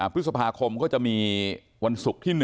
พฤษภาคมก็จะมีวันศุกร์ที่๑